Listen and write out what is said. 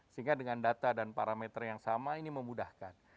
sehingga dengan data dan parameter yang sama ini memudahkan